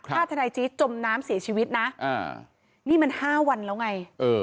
ถ้าทนายจี๊ดจมน้ำเสียชีวิตนะนี่มัน๕วันแล้วไง